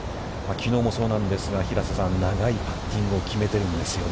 きのうもそうなんですが平瀬さん、長いパッティングを決めているんですよね。